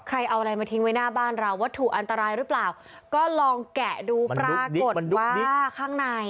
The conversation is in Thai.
ใครเอาอะไรมาทิ้งไว้หน้าบ้านเราวัตถุอันตรายหรือเปล่าก็ลองแกะดูปรากฏว่าข้างใน